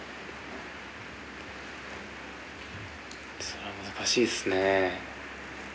それは難しいっすね。